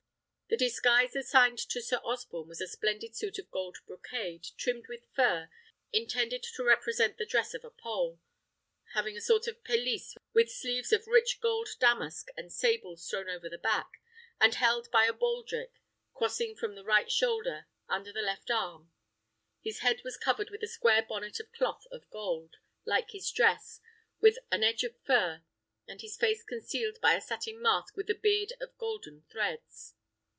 The disguise assigned to Sir Osborne was a splendid suit of gold brocade trimmed with fur, intended to represent the dress of a Pole; having a sort of pelisse with sleeves of rich gold damask and sables thrown over the back, and held by a baldrick, crossing from the right shoulder under the left arm. His head was covered with a square bonnet of cloth of gold, like his dress, with an edge of fur; and his face concealed by a satin mask with a beard of golden threads.